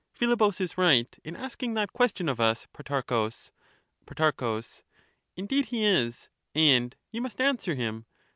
Philebus is right in asking that question of us, Pro tarchus. Pro. Indeed he is, and you must answer him.